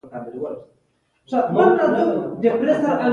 په دې علومو کې فېلسوفي، فرهنګ، هنر، اقتصاد او سیاستپوهه شامل دي.